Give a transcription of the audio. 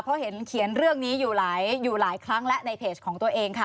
เพราะเห็นเขียนเรื่องนี้อยู่หลายครั้งและในเพจของตัวเองค่ะ